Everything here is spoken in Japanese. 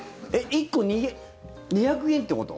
１個２００円ってこと？